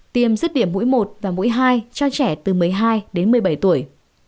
tiêm rứt điểm mũi một và mũi hai cho trẻ từ một mươi hai đến một mươi bảy tuổi